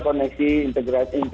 koneksi integrasi apa